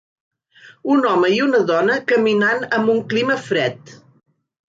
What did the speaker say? Un home i una dona caminant amb un clima fred.